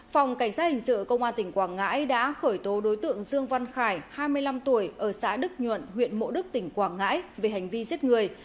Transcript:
phòng cảnh sát hình sự công an tỉnh quảng ngãi đã khởi tố đối tượng dương văn khải hai mươi năm tuổi ở xã đức nhuận huyện mộ đức tỉnh quảng ngãi về hành vi giết người